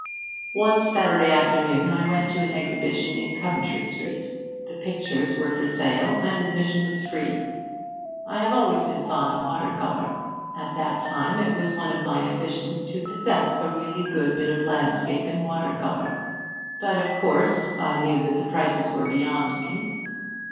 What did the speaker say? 'One Saturday afternoon I went to an exhibition in Coventry Street. The pictures were for sale, and admission was free. I have always been fond of water colours; at that time it was one of my ambitions to possess a really good bit of landscape in water colour but, of course, I knew that the prices were beyond me.